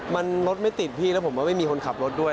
มันรถไม่ติดพี่แล้วผมว่าไม่มีคนขับรถด้วย